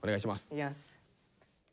いきます。